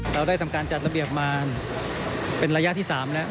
เราได้ทำการจัดระเบียบมาเป็นระยะที่๓แล้ว